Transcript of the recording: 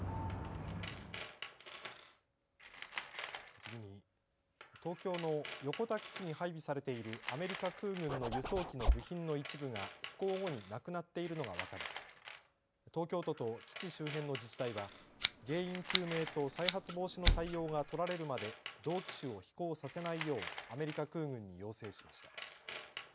次に、東京の横田基地に配備されているアメリカ空軍の輸送機の部品の一部が飛行後になくなっているのが分かり東京都と基地周辺の自治体は原因究明と再発防止の対応が取られるまで同機種を飛行させないようアメリカ空軍に要請しました。